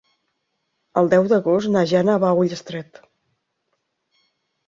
El deu d'agost na Jana va a Ullastret.